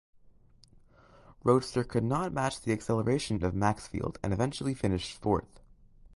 Roadster could not match the acceleration of Maxfield and eventually finished fourth.